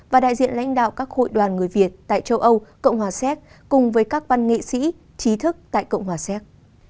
và đại diện lãnh đạo các hội đoàn người việt tại châu âu cộng hòa séc cùng với các văn nghệ sĩ trí thức tại cộng hòa séc